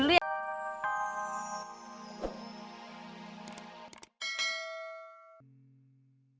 iya sebentar duduk dulu ya